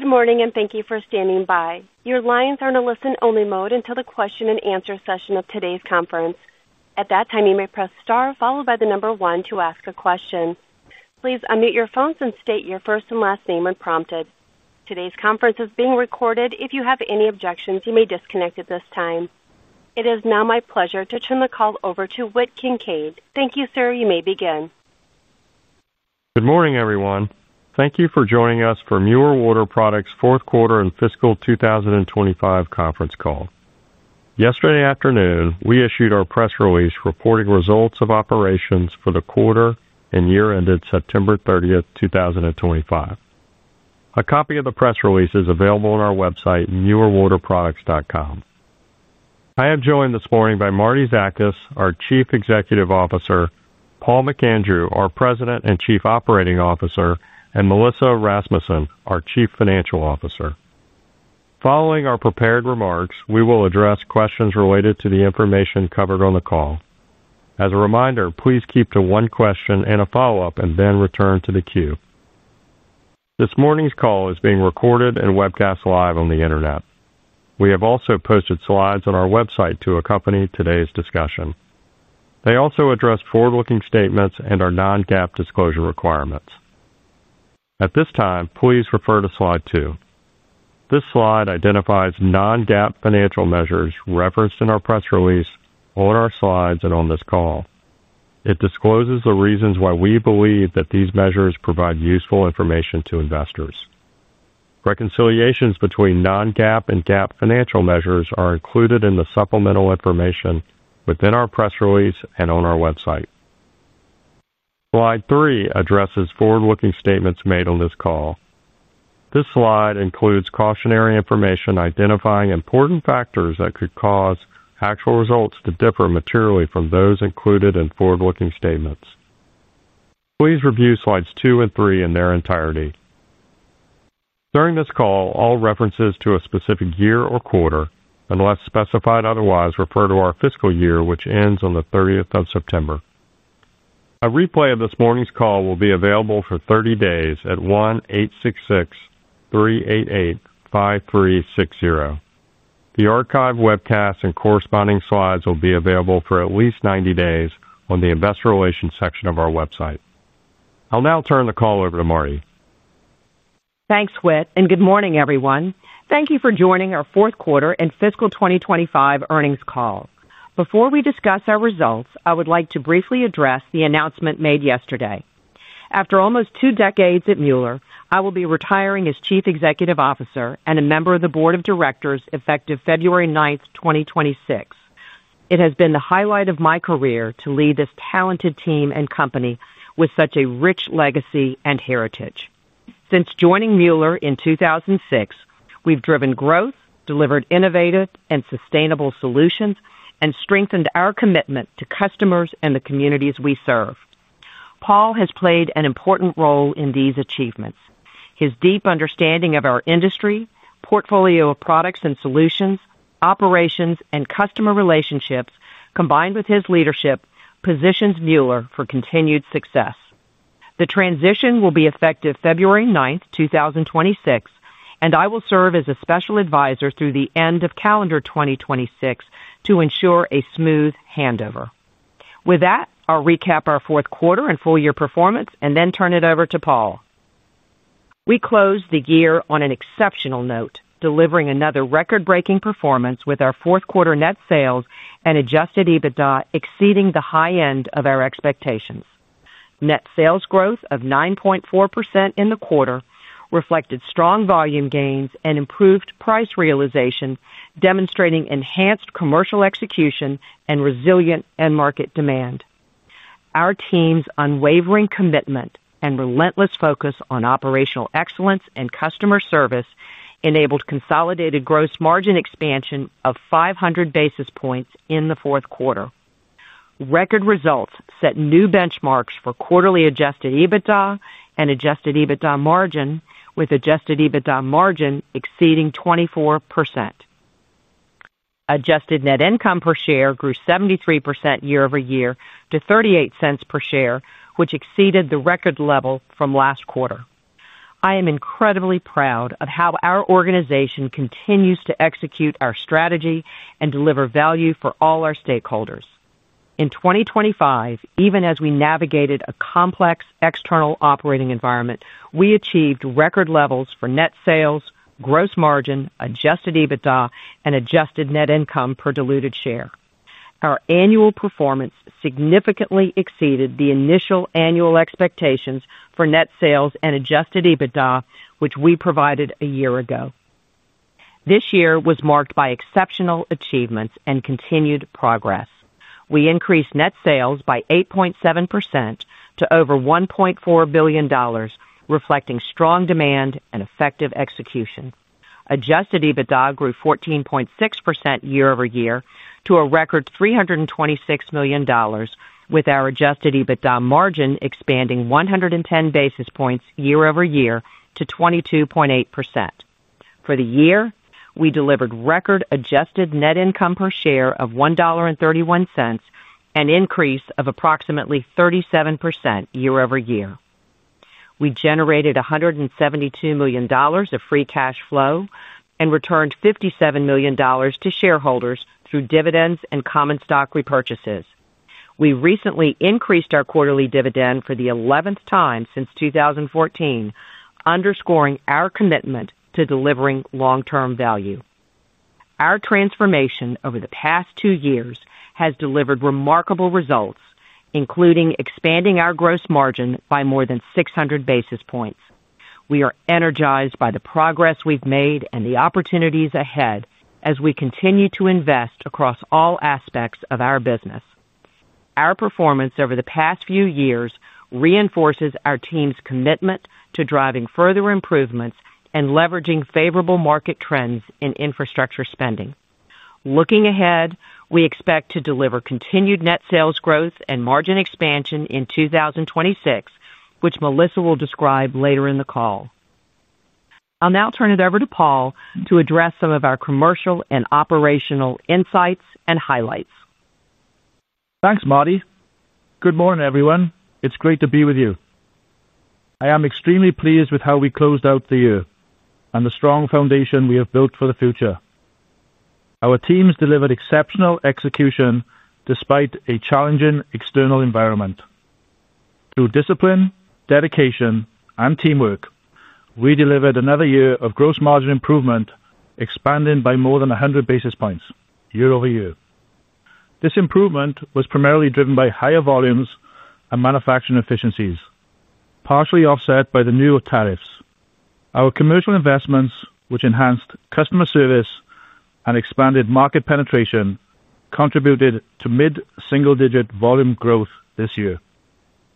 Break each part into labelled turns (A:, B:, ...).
A: Good morning, and thank you for standing by. Your lines are in a listen-only mode until the question-and-answer session of today's conference. At that time, you may press star followed by the number one to ask a question. Please unmute your phones and state your first and last name when prompted. Today's conference is being recorded. If you have any objections, you may disconnect at this time. It is now my pleasure to turn the call over to Whit Kincaid. Thank you, sir. You may begin.
B: Good morning, everyone. Thank you for joining us for Mueller Water Products' fourth quarter and fiscal 2025 conference call. Yesterday afternoon, we issued our press release reporting results of operations for the quarter and year-ended September 30, 2025. A copy of the press release is available on our website, muellerwaterproducts.com. I am joined this morning by Martie Zakas, our Chief Executive Officer, Paul McAndrew, our President and Chief Operating Officer, and Melissa Rasmussen, our Chief Financial Officer. Following our prepared remarks, we will address questions related to the information covered on the call. As a reminder, please keep to one question and a follow-up, and then return to the queue. This morning's call is being recorded and webcast live on the internet. We have also posted slides on our website to accompany today's discussion. They also address forward-looking statements and our non-GAAP disclosure requirements. At this time, please refer to slide two. This slide identifies non-GAAP financial measures referenced in our press release, on our slides, and on this call. It discloses the reasons why we believe that these measures provide useful information to investors. Reconciliations between non-GAAP and GAAP financial measures are included in the supplemental information within our press release and on our website. Slide three addresses forward-looking statements made on this call. This slide includes cautionary information identifying important factors that could cause actual results to differ materially from those included in forward-looking statements. Please review slides two and three in their entirety. During this call, all references to a specific year or quarter, unless specified otherwise, refer to our fiscal year, which ends on the 30th of September. A replay of this morning's call will be available for 30 days at 1-866-388-5360. The archive webcasts and corresponding slides will be available for at least 90 days on the investor relations section of our website. I'll now turn the call over to Martie.
C: Thanks, Whit, and good morning, everyone. Thank you for joining our fourth quarter and fiscal 2025 earnings call. Before we discuss our results, I would like to briefly address the announcement made yesterday. After almost two decades at Mueller, I will be retiring as Chief Executive Officer and a member of the Board of Directors effective February 9th, 2026. It has been the highlight of my career to lead this talented team and company with such a rich legacy and heritage. Since joining Mueller in 2006, we've driven growth, delivered innovative and sustainable solutions, and strengthened our commitment to customers and the communities we serve. Paul has played an important role in these achievements. His deep understanding of our industry, portfolio of products and solutions, operations, and customer relationships, combined with his leadership, positions Mueller for continued success. The transition will be effective February 9th, 2026, and I will serve as a special advisor through the end of calendar 2026 to ensure a smooth handover. With that, I'll recap our fourth quarter and full-year performance and then turn it over to Paul. We closed the year on an exceptional note, delivering another record-breaking performance with our fourth quarter net sales and adjusted EBITDA exceeding the high end of our expectations. Net sales growth of 9.4% in the quarter reflected strong volume gains and improved price realization, demonstrating enhanced commercial execution and resilient end-market demand. Our team's unwavering commitment and relentless focus on operational excellence and customer service enabled consolidated gross margin expansion of 500 basis points in the fourth quarter. Record results set new benchmarks for quarterly adjusted EBITDA and adjusted EBITDA margin, with adjusted EBITDA margin exceeding 24%. Adjusted net income per share grew 73% year-over-year to $0.38 per share, which exceeded the record level from last quarter. I am incredibly proud of how our organization continues to execute our strategy and deliver value for all our stakeholders. In 2025, even as we navigated a complex external operating environment, we achieved record levels for net sales, gross margin, adjusted EBITDA, and adjusted net income per diluted share. Our annual performance significantly exceeded the initial annual expectations for net sales and adjusted EBITDA, which we provided a year ago. This year was marked by exceptional achievements and continued progress. We increased net sales by 8.7% to over $1.4 billion, reflecting strong demand and effective execution. Adjusted EBITDA grew 14.6% year-over-year to a record $326 million, with our adjusted EBITDA margin expanding 110 basis points year-over-year to 22.8%. For the year, we delivered record adjusted net income per share of $1.31 and an increase of approximately 37% year-over-year. We generated $172 million of free cash flow and returned $57 million to shareholders through dividends and common stock repurchases. We recently increased our quarterly dividend for the 11th time since 2014, underscoring our commitment to delivering long-term value. Our transformation over the past two years has delivered remarkable results, including expanding our gross margin by more than 600 basis points. We are energized by the progress we've made and the opportunities ahead as we continue to invest across all aspects of our business. Our performance over the past few years reinforces our team's commitment to driving further improvements and leveraging favorable market trends in infrastructure spending. Looking ahead, we expect to deliver continued net sales growth and margin expansion in 2026, which Melissa will describe later in the call. I'll now turn it over to Paul to address some of our commercial and operational insights and highlights.
D: Thanks, Martie. Good morning, everyone. It's great to be with you. I am extremely pleased with how we closed out the year and the strong foundation we have built for the future. Our teams delivered exceptional execution despite a challenging external environment. Through discipline, dedication, and teamwork, we delivered another year of gross margin improvement, expanding by more than 100 basis points year-over-year. This improvement was primarily driven by higher volumes and manufacturing efficiencies, partially offset by the new tariffs. Our commercial investments, which enhanced customer service and expanded market penetration, contributed to mid-single-digit volume growth this year.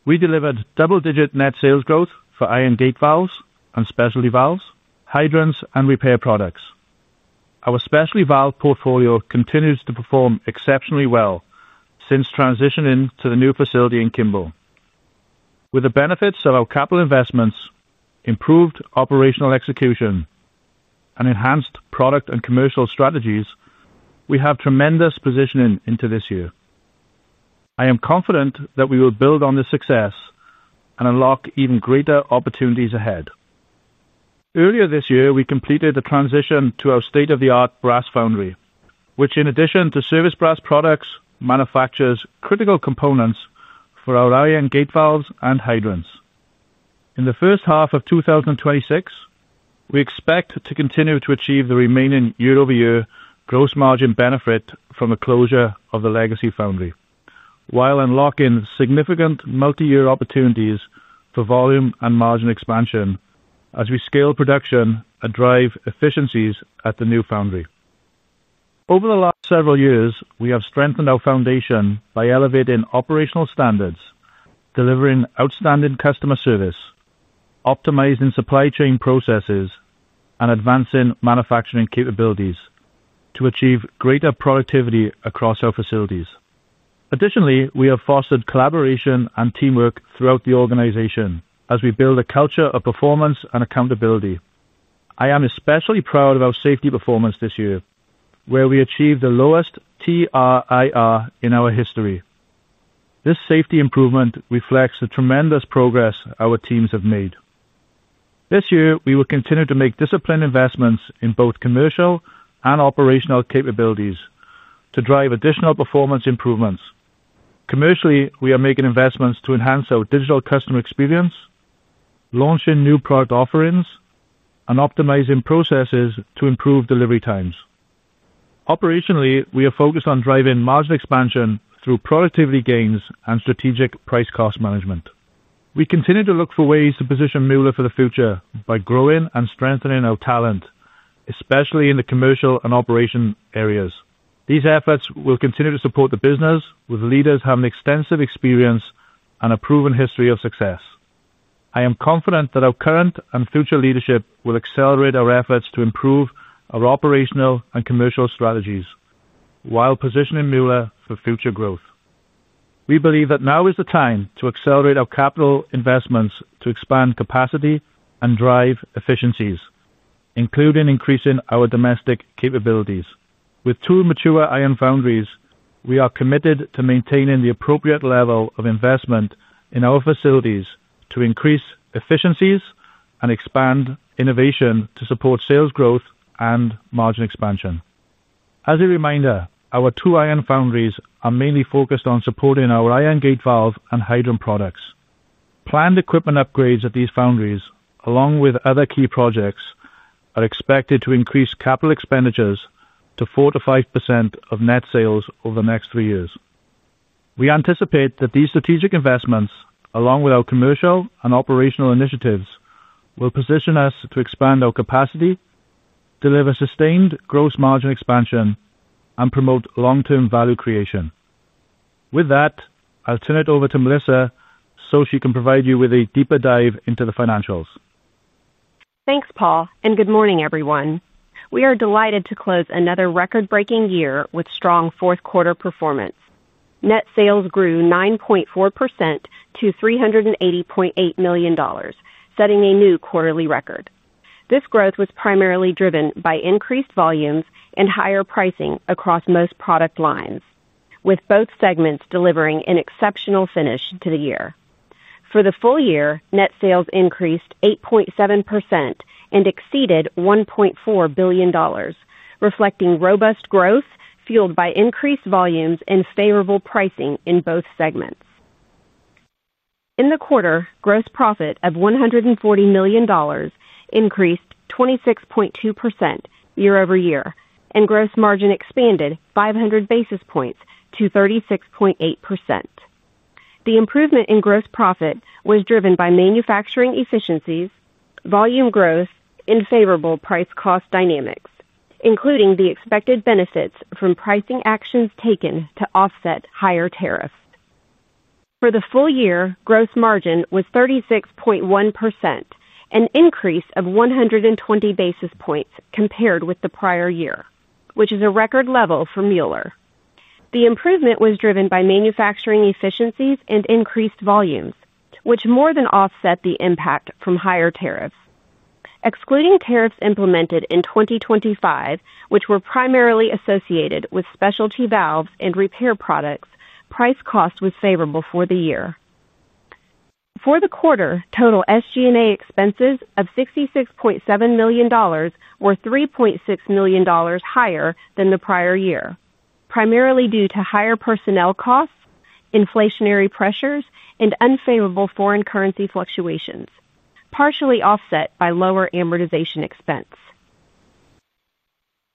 D: We delivered double-digit net sales growth for iron gate valves and specialty valves, hydrants, and repair products. Our specialty valve portfolio continues to perform exceptionally well since transitioning to the new facility in Kimball. With the benefits of our capital investments, improved operational execution, and enhanced product and commercial strategies, we have tremendous positioning into this year. I am confident that we will build on this success and unlock even greater opportunities ahead. Earlier this year, we completed the transition to our state-of-the-art brass foundry, which, in addition to service brass products, manufactures critical components for our iron gate valves and hydrants. In the first half of 2026, we expect to continue to achieve the remaining year-over-year gross margin benefit from the closure of the legacy foundry, while unlocking significant multi-year opportunities for volume and margin expansion as we scale production and drive efficiencies at the new foundry. Over the last several years, we have strengthened our foundation by elevating operational standards, delivering outstanding customer service, optimizing supply chain processes, and advancing manufacturing capabilities to achieve greater productivity across our facilities. Additionally, we have fostered collaboration and teamwork throughout the organization as we build a culture of performance and accountability. I am especially proud of our safety performance this year, where we achieved the lowest TRIR in our history. This safety improvement reflects the tremendous progress our teams have made. This year, we will continue to make disciplined investments in both commercial and operational capabilities to drive additional performance improvements. Commercially, we are making investments to enhance our digital customer experience, launching new product offerings, and optimizing processes to improve delivery times. Operationally, we are focused on driving margin expansion through productivity gains and strategic price-cost management. We continue to look for ways to position Mueller for the future by growing and strengthening our talent, especially in the commercial and operation areas. These efforts will continue to support the business, with leaders having extensive experience and a proven history of success. I am confident that our current and future leadership will accelerate our efforts to improve our operational and commercial strategies while positioning Mueller for future growth. We believe that now is the time to accelerate our capital investments to expand capacity and drive efficiencies, including increasing our domestic capabilities. With two mature iron foundries, we are committed to maintaining the appropriate level of investment in our facilities to increase efficiencies and expand innovation to support sales growth and margin expansion. As a reminder, our two iron foundries are mainly focused on supporting our iron gate valve and hydrant products. Planned equipment upgrades at these foundries, along with other key projects, are expected to increase capital expenditures to 4-5% of net sales over the next three years. We anticipate that these strategic investments, along with our commercial and operational initiatives, will position us to expand our capacity, deliver sustained gross margin expansion, and promote long-term value creation. With that, I'll turn it over to Melissa so she can provide you with a deeper dive into the financials.
E: Thanks, Paul, and good morning, everyone. We are delighted to close another record-breaking year with strong fourth-quarter performance. Net sales grew 9.4% to $380.8 million, setting a new quarterly record. This growth was primarily driven by increased volumes and higher pricing across most product lines, with both segments delivering an exceptional finish to the year. For the full year, net sales increased 8.7% and exceeded $1.4 billion, reflecting robust growth fueled by increased volumes and favorable pricing in both segments. In the quarter, gross profit of $140 million increased 26.2% year-over-year, and gross margin expanded 500 basis points to 36.8%. The improvement in gross profit was driven by manufacturing efficiencies, volume growth, and favorable price-cost dynamics, including the expected benefits from pricing actions taken to offset higher tariffs. For the full year, gross margin was 36.1%, an increase of 120 basis points compared with the prior year, which is a record level for Mueller. The improvement was driven by manufacturing efficiencies and increased volumes, which more than offset the impact from higher tariffs. Excluding tariffs implemented in 2025, which were primarily associated with specialty valves and repair products, price-cost was favorable for the year. For the quarter, total SG&A expenses of $66.7 million were $3.6 million higher than the prior year, primarily due to higher personnel costs, inflationary pressures, and unfavorable foreign currency fluctuations, partially offset by lower amortization expense.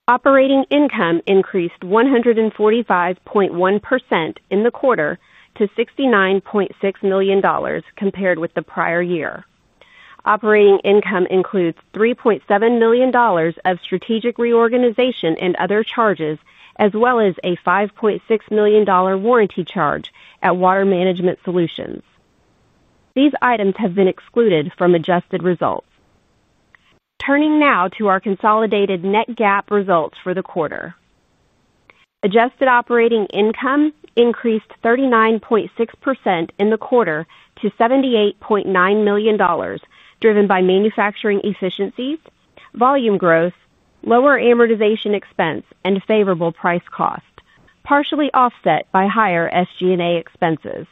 E: Operating income increased 145.1% in the quarter to $69.6 million compared with the prior year. Operating income includes $3.7 million of strategic reorganization and other charges, as well as a $5.6 million warranty charge at Water Management Solutions. These items have been excluded from adjusted results. Turning now to our consolidated net GAAP results for the quarter, adjusted operating income increased 39.6% in the quarter to $78.9 million, driven by manufacturing efficiencies, volume growth, lower amortization expense, and favorable price-cost, partially offset by higher SG&A expenses.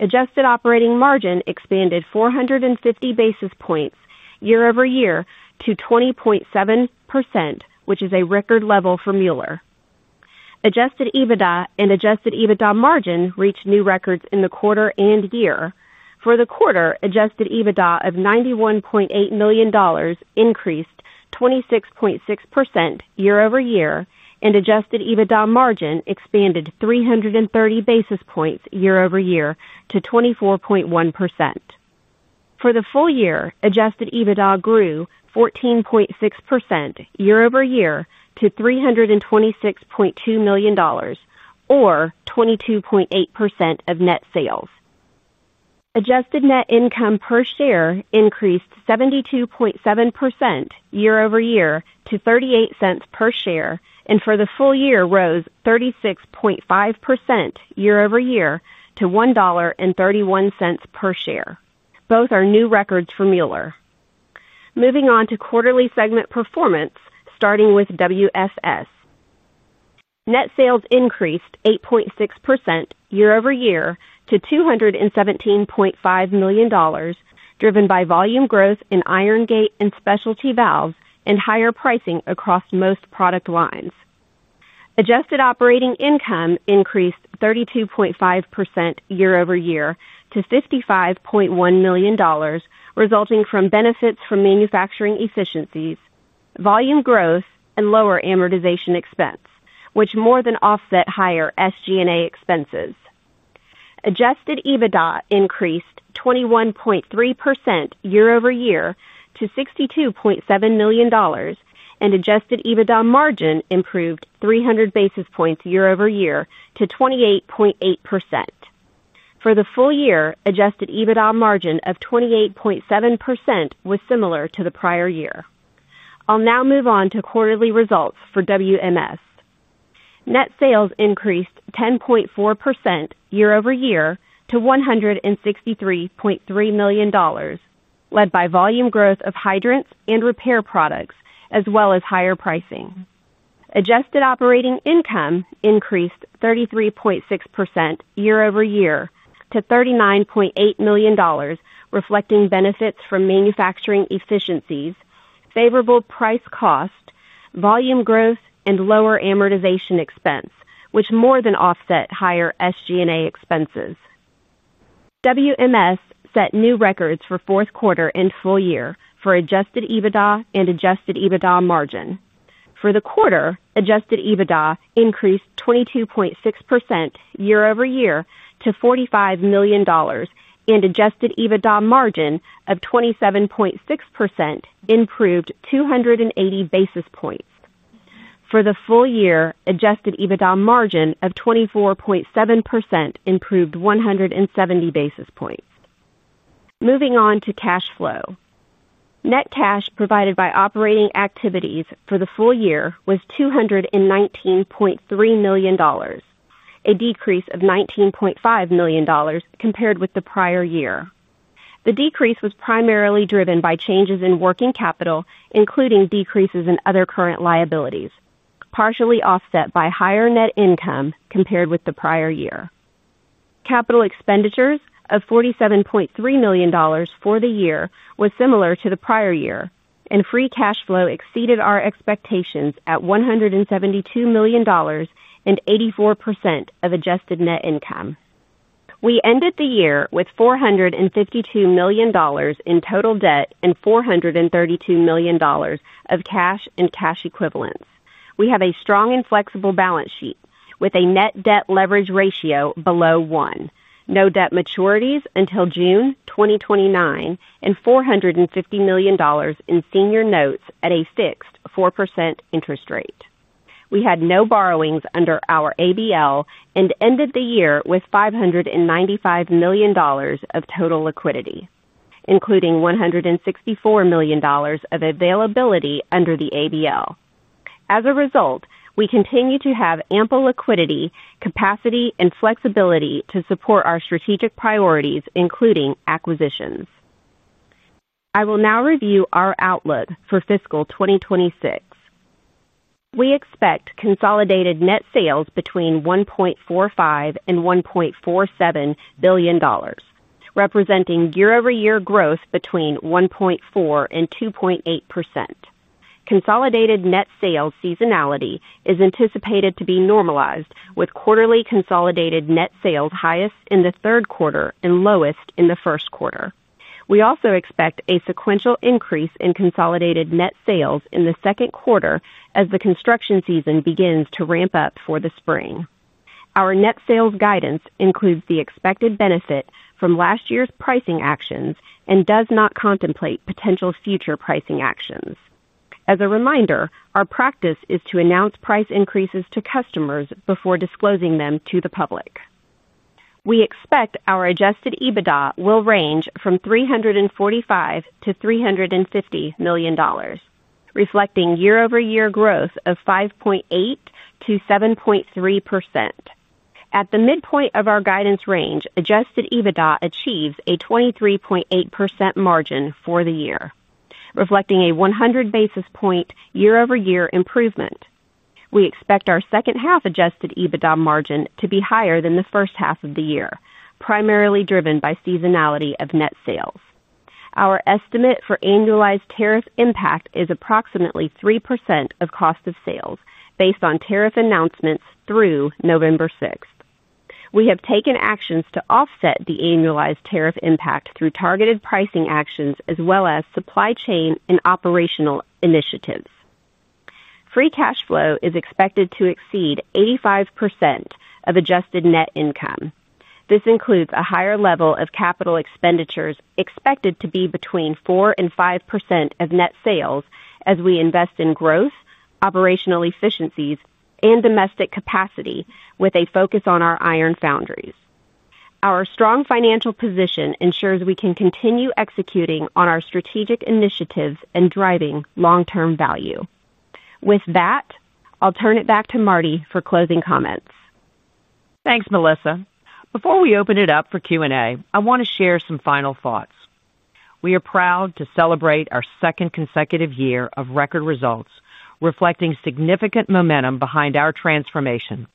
E: Adjusted operating margin expanded 450 basis points year-over-year to 20.7%, which is a record level for Mueller. Adjusted EBITDA and adjusted EBITDA margin reached new records in the quarter and year. For the quarter, adjusted EBITDA of $91.8 million increased 26.6% year-over-year, and adjusted EBITDA margin expanded 330 basis points year-over-year to 24.1%. For the full year, adjusted EBITDA grew 14.6% year-over-year to $326.2 million, or 22.8% of net sales. Adjusted net income per share increased 72.7% year-over-year to $0.38 per share, and for the full year, rose 36.5% year-over-year to $1.31 per share. Both are new records for Mueller. Moving on to quarterly segment performance, starting with WSS. Net sales increased 8.6% year-over-year to $217.5 million, driven by volume growth in iron gate and specialty valves and higher pricing across most product lines. Adjusted operating income increased 32.5% year-over-year to $55.1 million, resulting from benefits from manufacturing efficiencies, volume growth, and lower amortization expense, which more than offset higher SG&A expenses. Adjusted EBITDA increased 21.3% year-over-year to $62.7 million, and adjusted EBITDA margin improved 300 basis points year-over-year to 28.8%. For the full year, adjusted EBITDA margin of 28.7% was similar to the prior year. I'll now move on to quarterly results for WMS. Net sales increased 10.4% year-over-year to $163.3 million, led by volume growth of hydrants and repair products, as well as higher pricing. Adjusted operating income increased 33.6% year-over-year to $39.8 million, reflecting benefits from manufacturing efficiencies, favorable price-cost, volume growth, and lower amortization expense, which more than offset higher SG&A expenses. WMS set new records for fourth quarter and full year for adjusted EBITDA and adjusted EBITDA margin. For the quarter, adjusted EBITDA increased 22.6% year-over-year to $45 million, and adjusted EBITDA margin of 27.6% improved 280 basis points. For the full year, adjusted EBITDA margin of 24.7% improved 170 basis points. Moving on to cash flow. Net cash provided by operating activities for the full year was $219.3 million, a decrease of $19.5 million compared with the prior year. The decrease was primarily driven by changes in working capital, including decreases in other current liabilities, partially offset by higher net income compared with the prior year. Capital expenditures of $47.3 million for the year were similar to the prior year, and free cash flow exceeded our expectations at $172 million and 84% of adjusted net income. We ended the year with $452 million in total debt and $432 million of cash and cash equivalents. We have a strong and flexible balance sheet with a net debt leverage ratio below 1, no debt maturities until June 2029, and $450 million in senior notes at a fixed 4% interest rate. We had no borrowings under our ABL and ended the year with $595 million of total liquidity, including $164 million of availability under the ABL. As a result, we continue to have ample liquidity, capacity, and flexibility to support our strategic priorities, including acquisitions. I will now review our outlook for fiscal 2026. We expect consolidated net sales between $1.45 billion and $1.47 billion, representing year-over-year growth between 1.4% and 2.8%. Consolidated net sales seasonality is anticipated to be normalized, with quarterly consolidated net sales highest in the third quarter and lowest in the first quarter. We also expect a sequential increase in consolidated net sales in the second quarter as the construction season begins to ramp up for the spring. Our net sales guidance includes the expected benefit from last year's pricing actions and does not contemplate potential future pricing actions. As a reminder, our practice is to announce price increases to customers before disclosing them to the public. We expect our adjusted EBITDA will range from $345 million-$350 million, reflecting year-over-year growth of 5.8%-7.3%. At the midpoint of our guidance range, adjusted EBITDA achieves a 23.8% margin for the year, reflecting a 100 basis point year-over-year improvement. We expect our second-half adjusted EBITDA margin to be higher than the first half of the year, primarily driven by seasonality of net sales. Our estimate for annualized tariff impact is approximately 3% of cost of sales based on tariff announcements through November 6th. We have taken actions to offset the annualized tariff impact through targeted pricing actions as well as supply chain and operational initiatives. Free cash flow is expected to exceed 85% of adjusted net income. This includes a higher level of capital expenditures expected to be between 4%-5% of net sales as we invest in growth, operational efficiencies, and domestic capacity with a focus on our iron foundries. Our strong financial position ensures we can continue executing on our strategic initiatives and driving long-term value. With that, I'll turn it back to Martie for closing comments.
C: Thanks, Melissa. Before we open it up for Q&A, I want to share some final thoughts. We are proud to celebrate our second consecutive year of record results, reflecting significant momentum behind our transformation.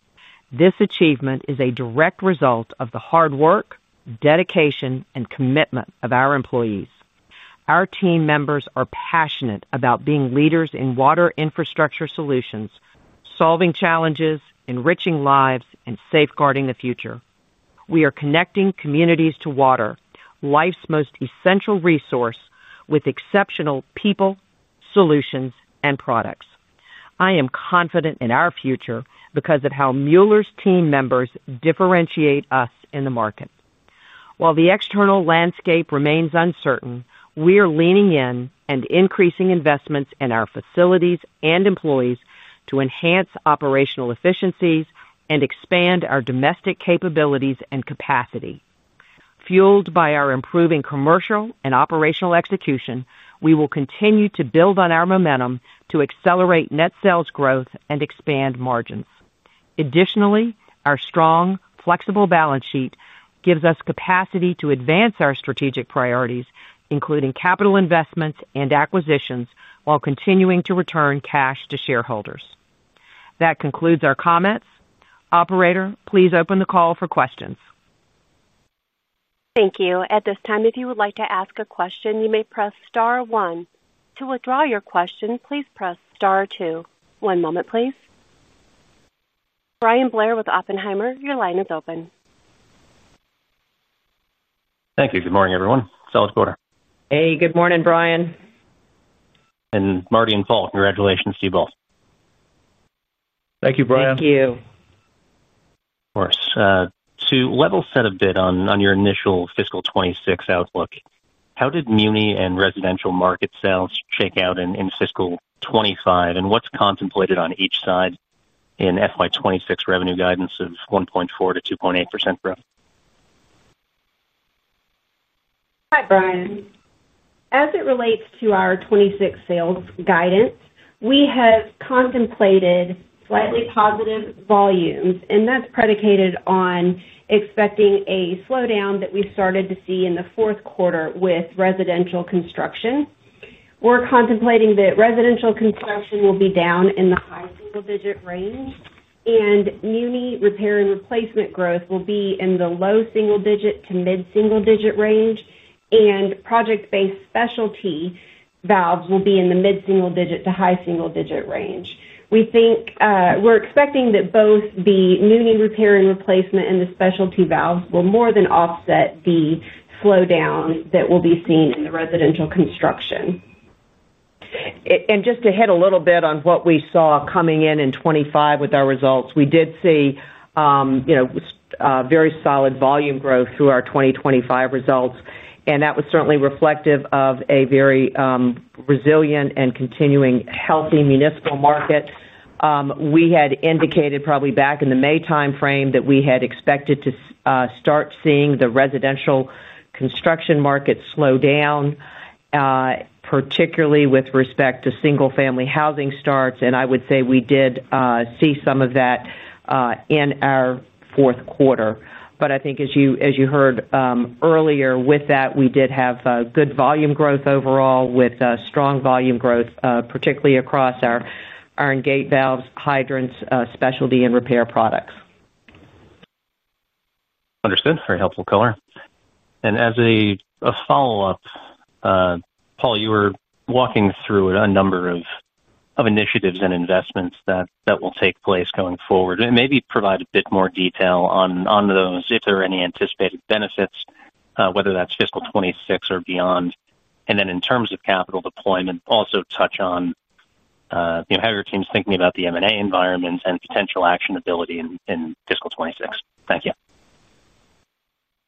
C: This achievement is a direct result of the hard work, dedication, and commitment of our employees. Our team members are passionate about being leaders in water infrastructure solutions, solving challenges, enriching lives, and safeguarding the future. We are connecting communities to water, life's most essential resource, with exceptional people, solutions, and products. I am confident in our future because of how Mueller's team members differentiate us in the market. While the external landscape remains uncertain, we are leaning in and increasing investments in our facilities and employees to enhance operational efficiencies and expand our domestic capabilities and capacity. Fueled by our improving commercial and operational execution, we will continue to build on our momentum to accelerate net sales growth and expand margins. Additionally, our strong, flexible balance sheet gives us capacity to advance our strategic priorities, including capital investments and acquisitions, while continuing to return cash to shareholders. That concludes our comments. Operator, please open the call for questions.
A: Thank you. At this time, if you would like to ask a question, you may press star one. To withdraw your question, please press star two. One moment, please. Bryan Blair with Oppenheimer, your line is open.
F: Thank you. Good morning, everyone. Sell it to order.
C: Hey, good morning, Bryan.
F: Martie and Paul, congratulations to you both.
D: Thank you, Bryan.
C: Thank you.
F: Of course. To level set a bit on your initial fiscal 2026 outlook, how did Muni and residential market sales shake out in fiscal 2025, and what's contemplated on each side in fiscal year 2026 revenue guidance of 1.4%-2.8% growth?
E: Hi, Bryan. As it relates to our 2026 sales guidance, we have contemplated slightly positive volumes, and that's predicated on expecting a slowdown that we started to see in the fourth quarter with residential construction. We're contemplating that residential construction will be down in the high single-digit range, and Muni repair and replacement growth will be in the low single-digit to mid-single-digit range, and project-based specialty valves will be in the mid-single-digit to high single-digit range. We're expecting that both the Muni repair and replacement and the specialty valves will more than offset the slowdown that will be seen in the residential construction.
C: Just to hit a little bit on what we saw coming in in 2025 with our results, we did see very solid volume growth through our 2025 results, and that was certainly reflective of a very resilient and continuing healthy municipal market. We had indicated probably back in the May timeframe that we had expected to start seeing the residential construction market slow down, particularly with respect to single-family housing starts, and I would say we did see some of that in our fourth quarter. I think, as you heard earlier, with that, we did have good volume growth overall with strong volume growth, particularly across our iron gate valves, hydrants, specialty, and repair products.
F: Understood. Very helpful, Color. As a follow-up, Paul, you were walking through a number of initiatives and investments that will take place going forward. Maybe provide a bit more detail on those, if there are any anticipated benefits, whether that's fiscal 2026 or beyond. In terms of capital deployment, also touch on how your team's thinking about the M&A environment and potential actionability in fiscal 2026. Thank you.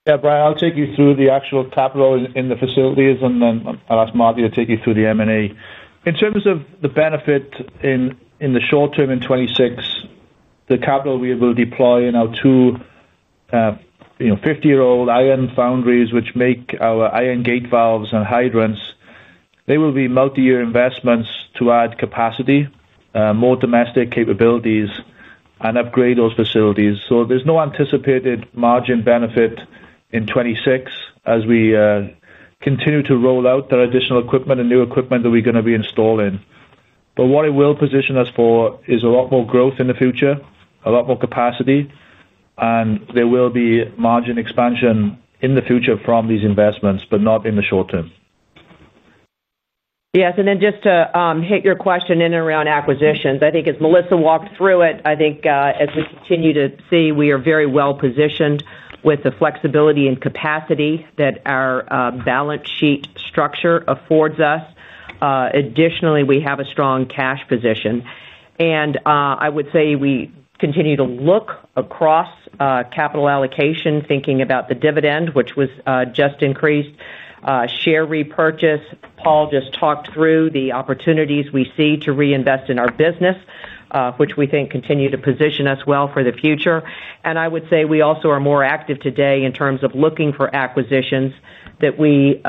D: Yeah, Brian, I'll take you through the actual capital in the facilities, and then I'll ask Martie to take you through the M&A. In terms of the benefit in the short term in 2026, the capital we will deploy in our two 50-year-old iron foundries, which make our iron gate valves and hydrants, they will be multi-year investments to add capacity, more domestic capabilities, and upgrade those facilities. There is no anticipated margin benefit in 2026 as we continue to roll out the additional equipment and new equipment that we're going to be installing. What it will position us for is a lot more growth in the future, a lot more capacity, and there will be margin expansion in the future from these investments, but not in the short term.
C: Yes. Just to hit your question in and around acquisitions, I think as Melissa walked through it, I think as we continue to see, we are very well positioned with the flexibility and capacity that our balance sheet structure affords us. Additionally, we have a strong cash position. I would say we continue to look across capital allocation, thinking about the dividend, which was just increased, share repurchase. Paul just talked through the opportunities we see to reinvest in our business, which we think continue to position us well for the future. I would say we also are more active today in terms of looking for acquisitions that we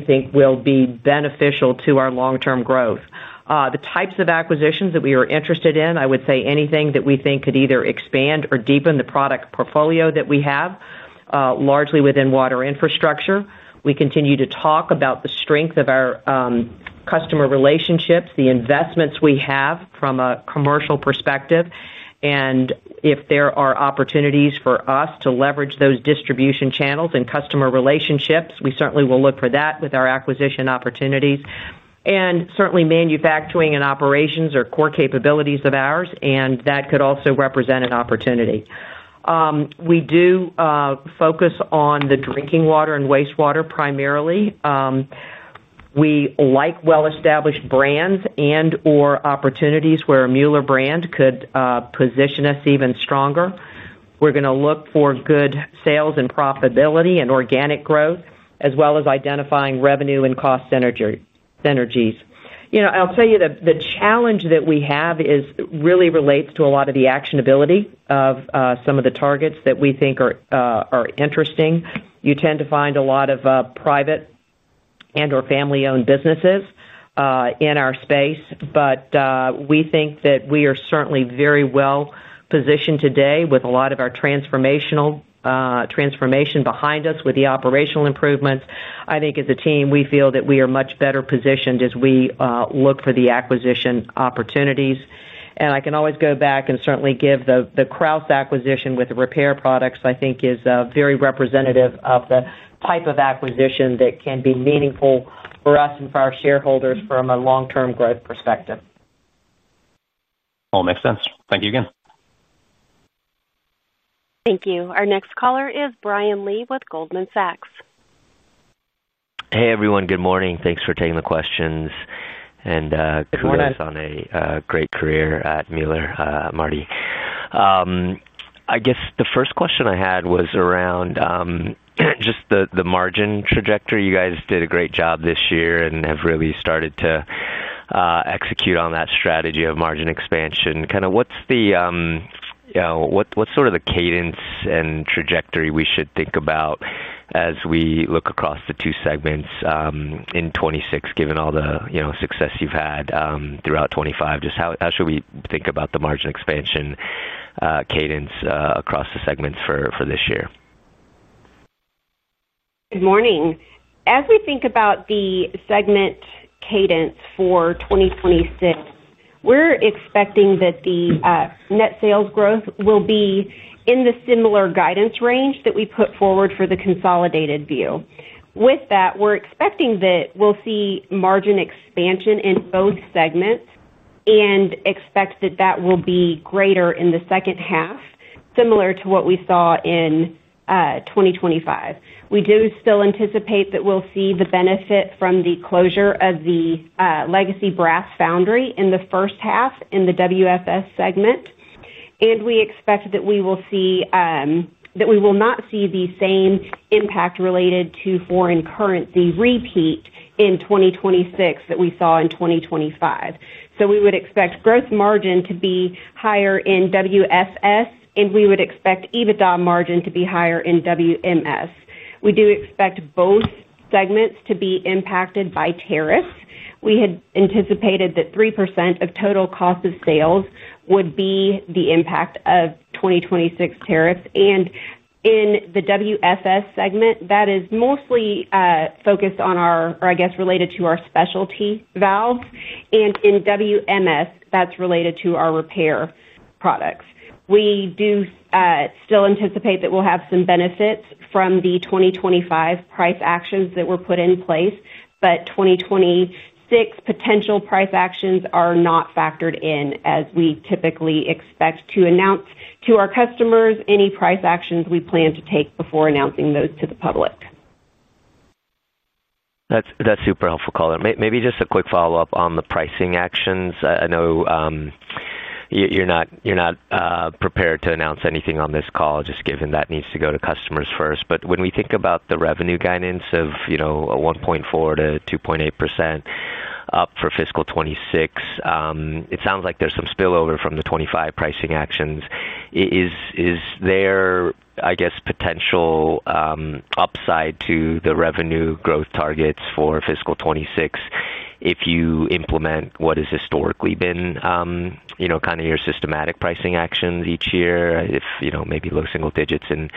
C: think will be beneficial to our long-term growth. The types of acquisitions that we are interested in, I would say anything that we think could either expand or deepen the product portfolio that we have, largely within water infrastructure. We continue to talk about the strength of our customer relationships, the investments we have from a commercial perspective, and if there are opportunities for us to leverage those distribution channels and customer relationships, we certainly will look for that with our acquisition opportunities. Certainly, manufacturing and operations are core capabilities of ours, and that could also represent an opportunity. We do focus on the drinking water and wastewater primarily. We like well-established brands and/or opportunities where a Mueller brand could position us even stronger. We're going to look for good sales and profitability and organic growth, as well as identifying revenue and cost synergies. I'll tell you the challenge that we have really relates to a lot of the actionability of some of the targets that we think are interesting. You tend to find a lot of private and/or family-owned businesses in our space, but we think that we are certainly very well positioned today with a lot of our transformation behind us with the operational improvements. I think as a team, we feel that we are much better positioned as we look for the acquisition opportunities. I can always go back and certainly give the Krausz acquisition with the repair products, I think, is very representative of the type of acquisition that can be meaningful for us and for our shareholders from a long-term growth perspective.
F: All makes sense. Thank you again.
A: Thank you. Our next caller is Brian Lee with Goldman Sachs.
G: Hey, everyone. Good morning. Thanks for taking the questions and kudos on a great career at Mueller, Martie. I guess the first question I had was around just the margin trajectory. You guys did a great job this year and have really started to execute on that strategy of margin expansion. Kind of what's the sort of the cadence and trajectory we should think about as we look across the two segments in 2026, given all the success you've had throughout 2025? Just how should we think about the margin expansion cadence across the segments for this year?
E: Good morning. As we think about the segment cadence for 2026, we're expecting that the net sales growth will be in the similar guidance range that we put forward for the consolidated view. With that, we're expecting that we'll see margin expansion in both segments and expect that that will be greater in the second half, similar to what we saw in 2025. We do still anticipate that we'll see the benefit from the closure of the legacy brass foundry in the first half in the WFS segment. We expect that we will not see the same impact related to foreign currency repeat in 2026 that we saw in 2025. We would expect gross margin to be higher in WFS, and we would expect EBITDA margin to be higher in WMS. We do expect both segments to be impacted by tariffs. We had anticipated that 3% of total cost of sales would be the impact of 2026 tariffs. In the WFS segment, that is mostly focused on our, or I guess related to our specialty valves. In WMS, that's related to our repair products. We do still anticipate that we'll have some benefits from the 2025 price actions that were put in place, but 2026 potential price actions are not factored in as we typically expect to announce to our customers any price actions we plan to take before announcing those to the public.
G: That's super helpful, color. Maybe just a quick follow-up on the pricing actions. I know you're not prepared to announce anything on this call, just given that needs to go to customers first. When we think about the revenue guidance of 1.4%-2.8% up for fiscal 2026, it sounds like there's some spillover from the 2025 pricing actions. Is there, I guess, potential upside to the revenue growth targets for fiscal 2026 if you implement what has historically been kind of your systematic pricing actions each year, if maybe low single digits in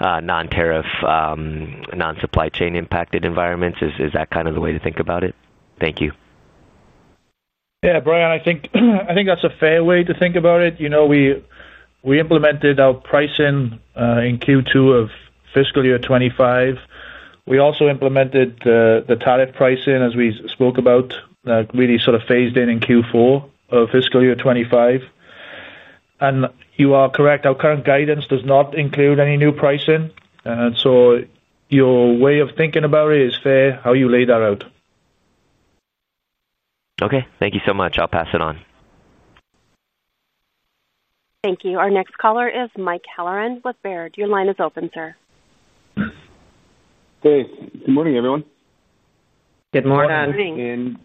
G: non-tariff, non-supply chain impacted environments? Is that kind of the way to think about it? Thank you.
D: Yeah, Brian, I think that's a fair way to think about it. We implemented our pricing in Q2 of fiscal year 2025. We also implemented the tariff pricing, as we spoke about, really sort of phased in in Q4 of fiscal year 2025. You are correct, our current guidance does not include any new pricing. Your way of thinking about it is fair how you lay that out.
G: Okay. Thank you so much. I'll pass it on.
A: Thank you. Our next caller is Mike Halloran with Baird. Your line is open, sir.
H: Hey. Good morning, everyone.
D: Good morning.
C: Good morning.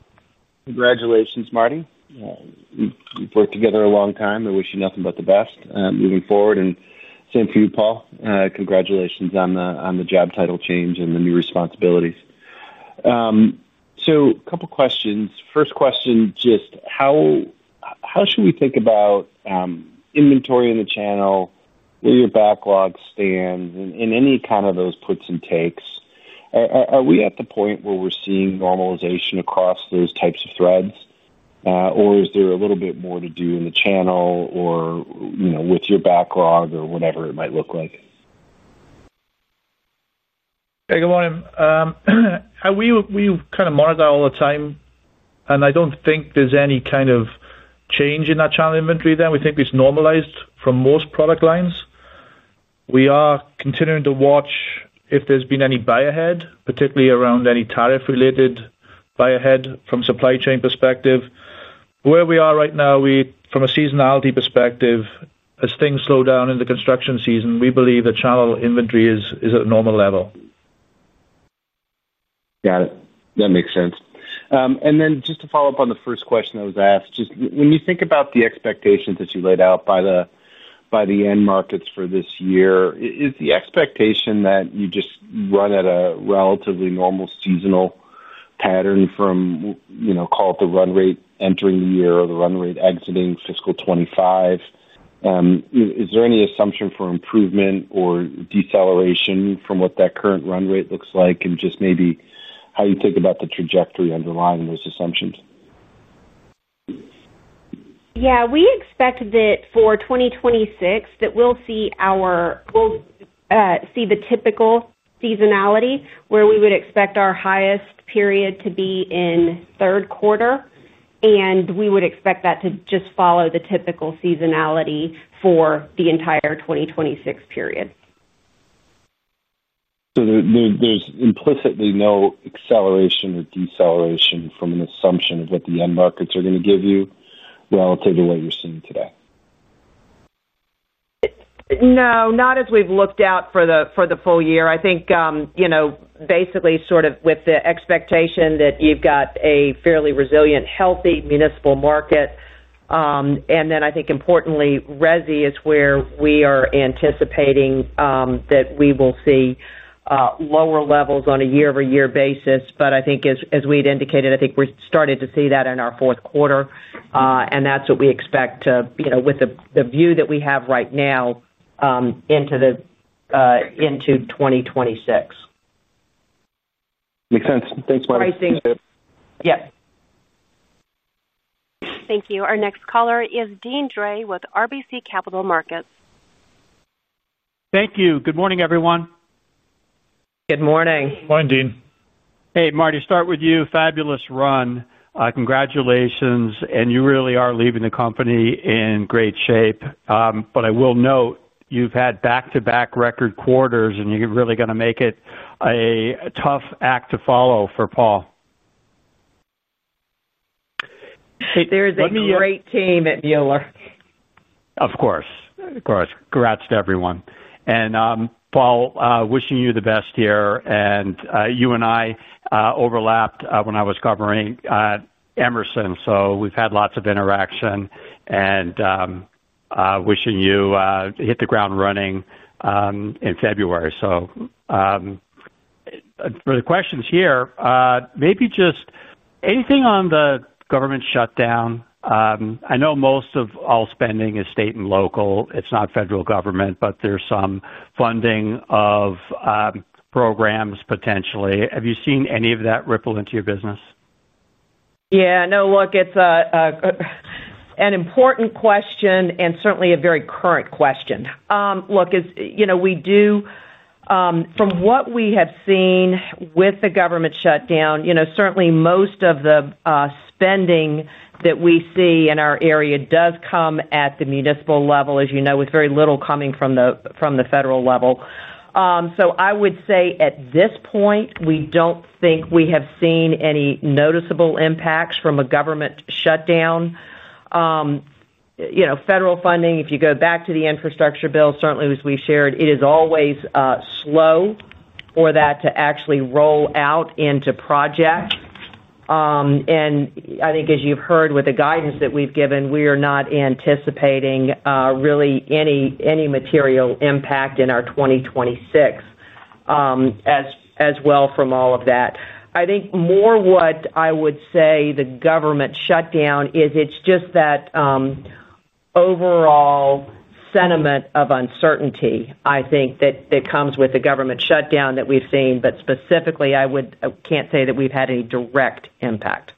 H: Congratulations, Martie. We have worked together a long time. I wish you nothing but the best moving forward. Same for you, Paul. Congratulations on the job title change and the new responsibilities. A couple of questions. First question, just how should we think about inventory in the channel, where your backlog stands, and any kind of those puts and takes? Are we at the point where we are seeing normalization across those types of threads, or is there a little bit more to do in the channel or with your backlog or whatever it might look like?
D: Hey, good morning. We kind of monitor all the time, and I don't think there's any kind of change in that channel inventory there. We think it's normalized for most product lines. We are continuing to watch if there's been any buy ahead, particularly around any tariff-related buy ahead from a supply chain perspective. Where we are right now, from a seasonality perspective, as things slow down in the construction season, we believe the channel inventory is at a normal level.
H: Got it. That makes sense. Just to follow up on the first question I was asked, just when you think about the expectations that you laid out by the end markets for this year, is the expectation that you just run at a relatively normal seasonal pattern from, call it the run rate entering the year or the run rate exiting fiscal 2025? Is there any assumption for improvement or deceleration from what that current run rate looks like and just maybe how you think about the trajectory underlying those assumptions?
E: Yeah. We expect that for 2026, that we'll see the typical seasonality where we would expect our highest period to be in third quarter, and we would expect that to just follow the typical seasonality for the entire 2026 period.
H: There's implicitly no acceleration or deceleration from an assumption of what the end markets are going to give you relative to what you're seeing today?
C: No, not as we've looked out for the full year. I think basically sort of with the expectation that you've got a fairly resilient, healthy municipal market. I think, importantly, resi is where we are anticipating that we will see lower levels on a year-over-year basis. I think as we'd indicated, we've started to see that in our fourth quarter, and that's what we expect with the view that we have right now into 2026.
H: Makes sense. Thanks, Martie.
C: Pricing. Yep.
A: Thank you. Our next caller is Deane Dray with RBC Capital Markets.
I: Thank you. Good morning, everyone.
C: Good morning.
D: Morning, Deane.
I: Hey, Martie, start with you. Fabulous run. Congratulations. You really are leaving the company in great shape. I will note you've had back-to-back record quarters, and you're really going to make it a tough act to follow for Paul.
C: There is a great team at Mueller.
I: Of course. Of course. Congrats to everyone. Paul, wishing you the best here. You and I overlapped when I was covering Emerson, so we've had lots of interaction and wishing you hit the ground running in February. For the questions here, maybe just anything on the government shutdown. I know most of all spending is state and local. It's not federal government, but there's some funding of programs potentially. Have you seen any of that ripple into your business?
C: Yeah. No, look, it's an important question and certainly a very current question. Look, we do, from what we have seen with the government shutdown, certainly most of the spending that we see in our area does come at the municipal level, as you know, with very little coming from the federal level. I would say at this point, we do not think we have seen any noticeable impacts from a government shutdown. Federal funding, if you go back to the infrastructure bill, certainly as we shared, it is always slow for that to actually roll out into projects. I think as you have heard with the guidance that we have given, we are not anticipating really any material impact in our 2026 as well from all of that. I think more what I would say the government shutdown is, it is just that overall sentiment of uncertainty, I think, that comes with the government shutdown that we have seen. Specifically, I cannot say that we have had any direct impact.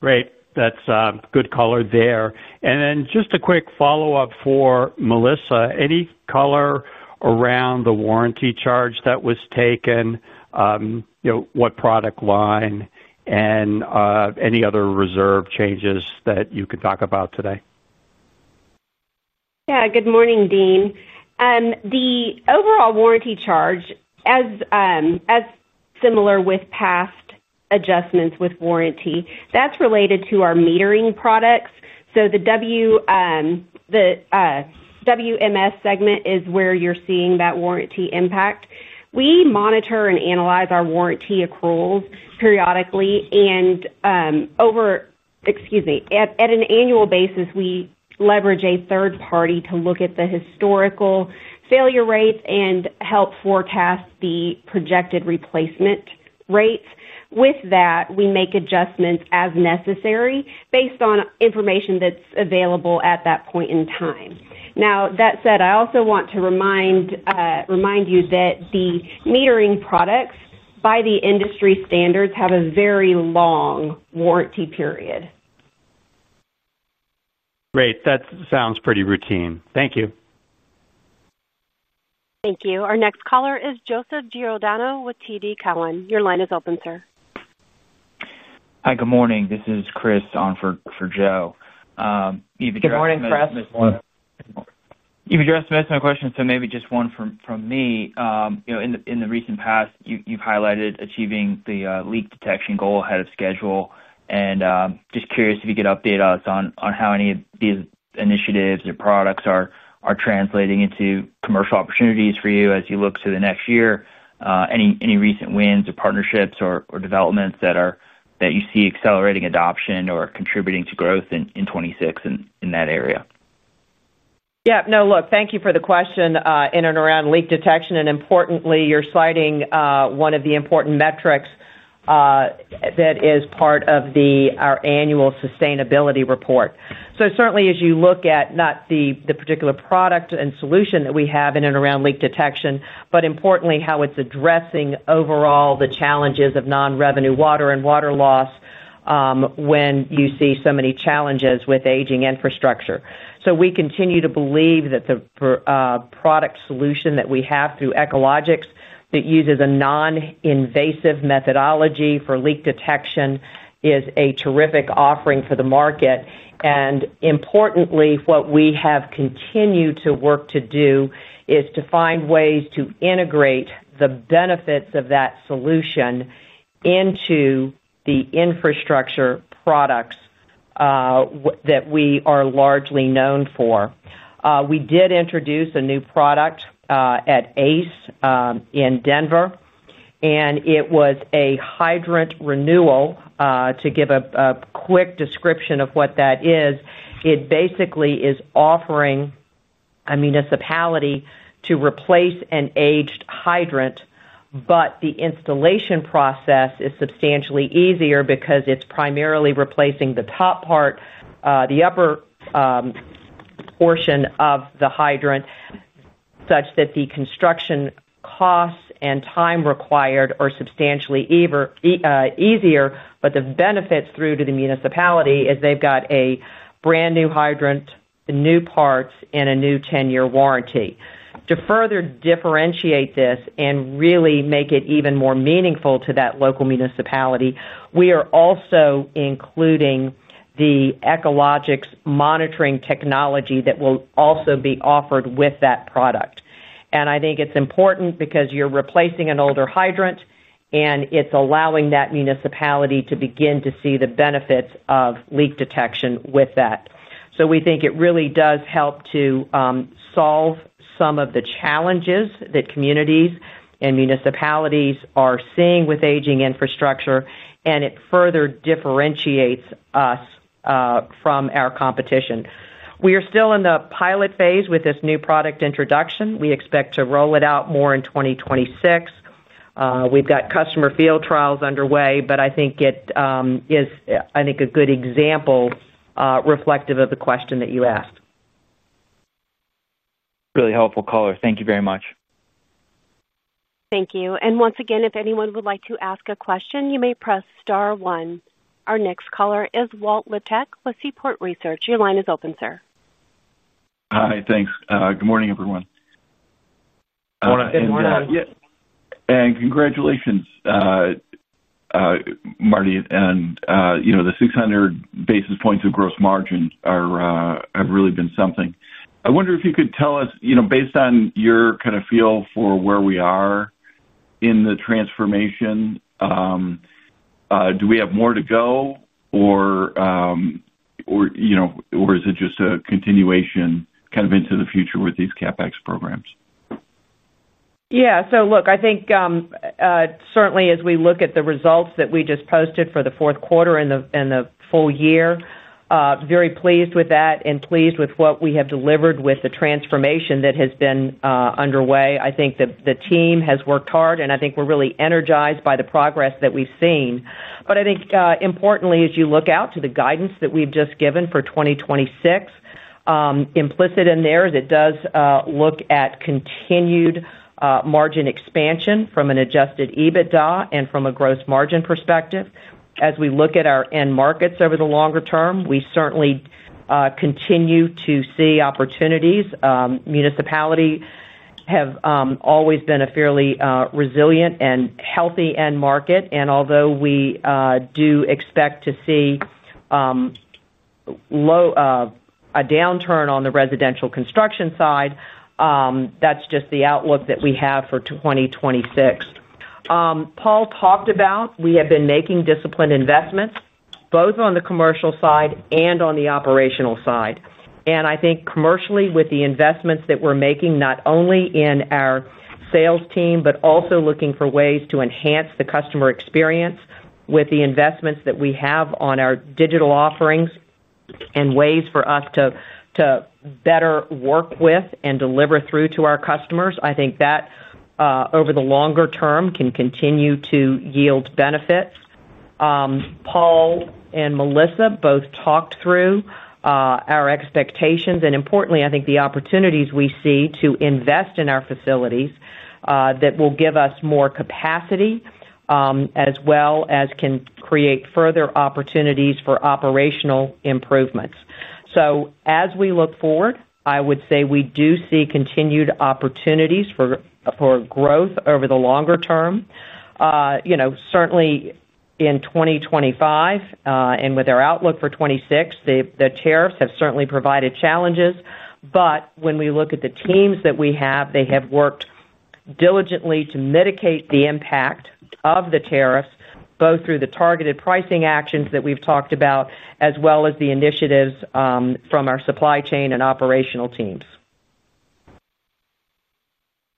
I: Great. That is good color there. Just a quick follow-up for Melissa. Any color around the warranty charge that was taken, what product line, and any other reserve changes that you could talk about today?
E: Yeah. Good morning, Deane. The overall warranty charge, as similar with past adjustments with warranty, that's related to our metering products. The WMS segment is where you're seeing that warranty impact. We monitor and analyze our warranty accruals periodically. Excuse me, at an annual basis, we leverage a third party to look at the historical failure rates and help forecast the projected replacement rates. With that, we make adjustments as necessary based on information that's available at that point in time. That said, I also want to remind you that the metering products by the industry standards have a very long warranty period.
I: Great. That sounds pretty routine. Thank you.
A: Thank you. Our next caller is Joseph Giordano with TD Cowen. Your line is open, sir. Hi, good morning. This is Chris on for Joe.
C: Good morning, Chris. You addressed most of my questions, so maybe just one from me. In the recent past, you've highlighted achieving the leak detection goal ahead of schedule. I'm just curious if you could update us on how any of these initiatives or products are translating into commercial opportunities for you as you look to the next year. Any recent wins or partnerships or developments that you see accelerating adoption or contributing to growth in 2026 in that area? Yeah. No, look, thank you for the question in and around leak detection. Importantly, you're citing one of the important metrics that is part of our annual sustainability report. Certainly, as you look at not the particular product and solution that we have in and around leak detection, but importantly, how it's addressing overall the challenges of non-revenue water and water loss when you see so many challenges with aging infrastructure. We continue to believe that the product solution that we have through Ecologix that uses a non-invasive methodology for leak detection is a terrific offering for the market. Importantly, what we have continued to work to do is to find ways to integrate the benefits of that solution into the infrastructure products that we are largely known for. We did introduce a new product at ACE in Denver, and it was a hydrant renewal. To give a quick description of what that is, it basically is offering a municipality to replace an aged hydrant, but the installation process is substantially easier because it is primarily replacing the top part, the upper portion of the hydrant, such that the construction costs and time required are substantially easier. The benefits through to the municipality is they have got a brand new hydrant, new parts, and a new 10-year warranty. To further differentiate this and really make it even more meaningful to that local municipality, we are also including the Ecologix monitoring technology that will also be offered with that product. I think it is important because you are replacing an older hydrant, and it is allowing that municipality to begin to see the benefits of leak detection with that. We think it really does help to solve some of the challenges that communities and municipalities are seeing with aging infrastructure, and it further differentiates us from our competition. We are still in the pilot phase with this new product introduction. We expect to roll it out more in 2026. We've got customer field trials underway, but I think it is, I think, a good example reflective of the question that you asked. Really helpful, color. Thank you very much.
A: Thank you. If anyone would like to ask a question, you may press star one. Our next caller is Walter Liptak with Seaport Research. Your line is open, sir.
J: Hi. Thanks. Good morning, everyone. Congratulations, Martie. The 600 basis points of gross margin have really been something. I wonder if you could tell us, based on your kind of feel for where we are in the transformation, do we have more to go, or is it just a continuation kind of into the future with these CapEx programs?
C: Yeah. So look, I think certainly as we look at the results that we just posted for the fourth quarter and the full year, very pleased with that and pleased with what we have delivered with the transformation that has been underway. I think the team has worked hard, and I think we're really energized by the progress that we've seen. I think importantly, as you look out to the guidance that we've just given for 2026, implicit in there is it does look at continued margin expansion from an adjusted EBITDA and from a gross margin perspective. As we look at our end markets over the longer term, we certainly continue to see opportunities. Municipalities have always been a fairly resilient and healthy end market. Although we do expect to see a downturn on the residential construction side, that's just the outlook that we have for 2026. Paul talked about we have been making disciplined investments both on the commercial side and on the operational side. I think commercially, with the investments that we're making, not only in our sales team, but also looking for ways to enhance the customer experience with the investments that we have on our digital offerings and ways for us to better work with and deliver through to our customers, I think that over the longer term can continue to yield benefits. Paul and Melissa both talked through our expectations. Importantly, I think the opportunities we see to invest in our facilities that will give us more capacity as well as can create further opportunities for operational improvements. As we look forward, I would say we do see continued opportunities for growth over the longer term. Certainly, in 2025 and with our outlook for 2026, the tariffs have certainly provided challenges. When we look at the teams that we have, they have worked diligently to mitigate the impact of the tariffs, both through the targeted pricing actions that we've talked about as well as the initiatives from our supply chain and operational teams.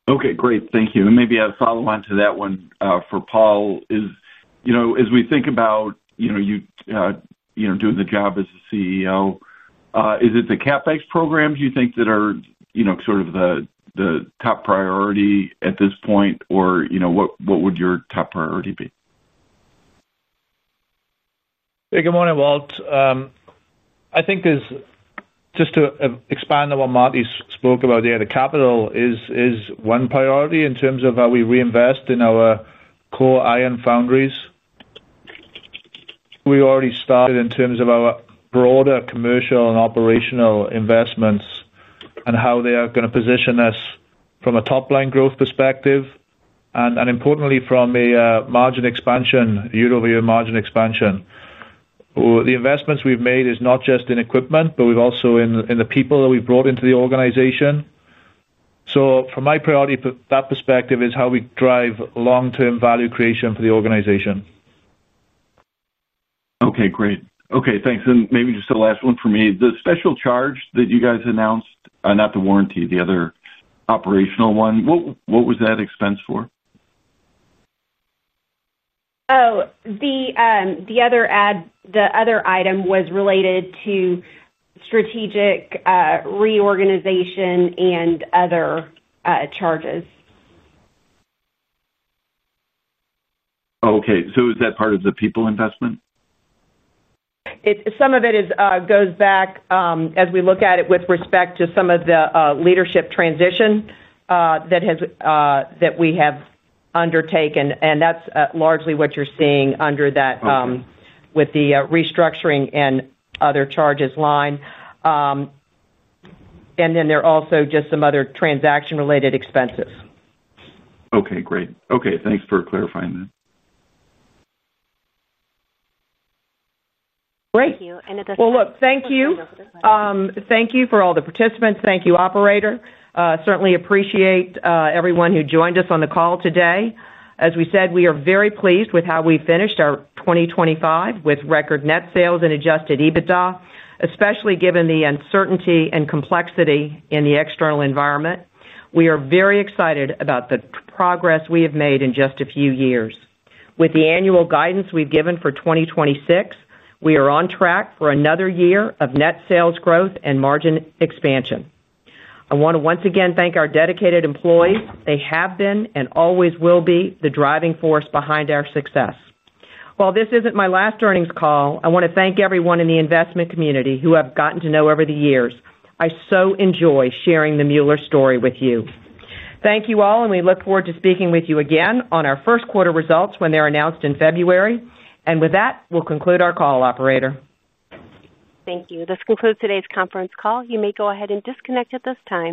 J: Okay. Great. Thank you. Maybe a follow-on to that one for Paul is, as we think about you doing the job as a CEO, is it the CapEx programs you think that are sort of the top priority at this point, or what would your top priority be?
D: Hey, good morning, Walt. I think just to expand on what Martie spoke about there, the capital is one priority in terms of how we reinvest in our core iron foundries. We already started in terms of our broader commercial and operational investments and how they are going to position us from a top-line growth perspective and, importantly, from a margin expansion, year-over-year margin expansion. The investments we have made is not just in equipment, but also in the people that we have brought into the organization. From my priority, that perspective is how we drive long-term value creation for the organization.
J: Okay. Great. Okay. Thanks. Maybe just a last one for me. The special charge that you guys announced, not the warranty, the other operational one, what was that expense for?
E: Oh, the other item was related to strategic reorganization and other charges.
J: Okay. Is that part of the people investment?
C: Some of it goes back, as we look at it with respect to some of the leadership transition that we have undertaken. That is largely what you're seeing under that with the restructuring and other charges line. There are also just some other transaction-related expenses.
J: Okay. Great. Okay. Thanks for clarifying that.
A: Great. Thank you...
C: Thank you. Thank you for all the participants. Thank you, operator. Certainly appreciate everyone who joined us on the call today. As we said, we are very pleased with how we finished our 2025 with record net sales and adjusted EBITDA, especially given the uncertainty and complexity in the external environment. We are very excited about the progress we have made in just a few years. With the annual guidance we have given for 2026, we are on track for another year of net sales growth and margin expansion. I want to once again thank our dedicated employees. They have been and always will be the driving force behind our success. While this is not my last earnings call, I want to thank everyone in the investment community who I have gotten to know over the years. I so enjoy sharing the Mueller story with you. Thank you all, and we look forward to speaking with you again on our first quarter results when they're announced in February. With that, we'll conclude our call, operator.
A: Thank you. This concludes today's conference call. You may go ahead and disconnect at this time.